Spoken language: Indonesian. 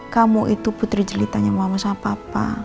kamu itu putri jelitanya mama sama papa